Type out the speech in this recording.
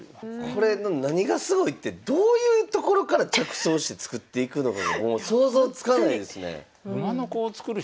これの何がすごいってどういうところから着想して作っていくのかがもう想像つかないですね。